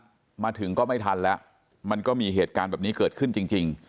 รถมาที่ร้านมาถึงก็ไม่ทันแล้วมันก็มีเหตุการณ์แบบนี้เกิดขึ้นจริงจริง